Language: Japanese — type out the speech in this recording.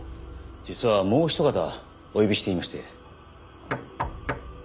実はもう一方お呼びしていまして。